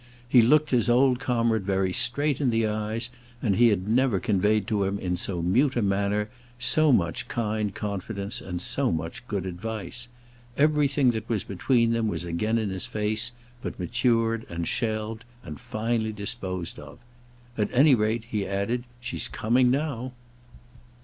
He looked his old comrade very straight in the eyes, and he had never conveyed to him in so mute a manner so much kind confidence and so much good advice. Everything that was between them was again in his face, but matured and shelved and finally disposed of. "At any rate," he added, "she's coming now."